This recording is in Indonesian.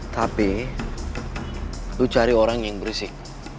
tapi lu cari orang yang berisik